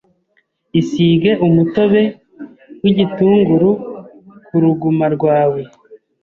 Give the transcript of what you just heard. Isige umutobe w’igitunguru ku ruguma rwawe